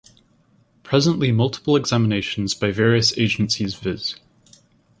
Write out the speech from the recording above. Presently multiple examinations by various agencies viz.